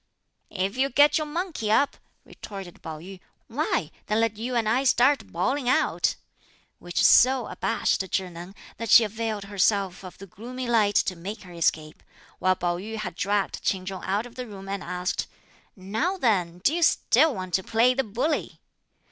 "If you get your monkey up," retorted Pao yü, "why, then let you and I start bawling out;" which so abashed Chih Neng that she availed herself of the gloomy light to make her escape; while Pao yü had dragged Ch'in Chung out of the room and asked, "Now then, do you still want to play the bully!"